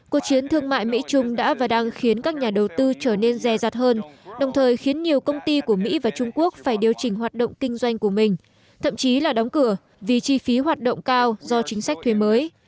cuộc chiến thương mại mỹ trung đã và đang khiến các nhà đầu tư trở nên rè rạt hơn đồng thời khiến nhiều công ty của mỹ và trung quốc phải điều chỉnh hoạt động kinh doanh của mình thậm chí là đóng cửa vì chi phí hoạt động cao do chính sách thuế mới